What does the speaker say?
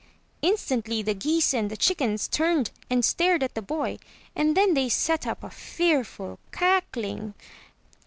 Instantly the geese and the chickens turned and stared at the boy; and then they set up a fearful cackling.